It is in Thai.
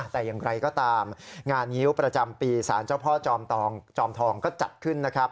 แต่อย่างไรก็ตามงานงิ้วประจำปีสารเจ้าพ่อจอมทองก็จัดขึ้นนะครับ